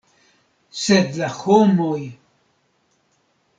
Sed la homoj!